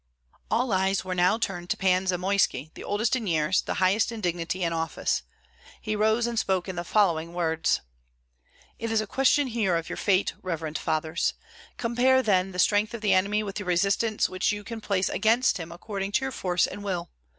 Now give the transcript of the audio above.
All eyes were now turned to Pan Zamoyski, the oldest in years, the highest in dignity and office. He rose and spoke in the following words: "It is a question here of your fate, reverend fathers. Compare then the strength of the enemy with the resistance which you can place against him according to your force and will.